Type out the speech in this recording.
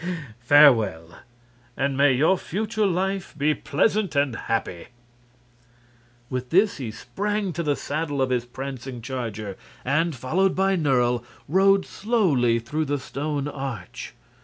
Farewell, and may your future life be pleasant and happy!" With this he sprang to the saddle of his prancing charger and, followed by Nerle, rode slowly through the stone arch.